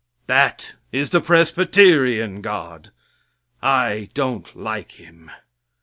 That is the Presbyterian God. I don't like Him.